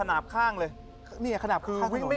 ที่การไปทำบุญข้างนี้ของคุณและเตวียเนี่ย